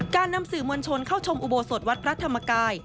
นำสื่อมวลชนเข้าชมอุโบสถวัดพระธรรมกาย